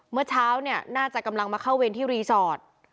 เมื่อเช้าเนี่ยน่าจะกำลังมาเข้าเวรที่รีสอร์ท